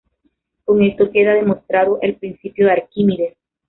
Con esto queda demostrado el principio de Arquímedes.